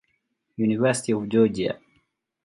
University of Georgia.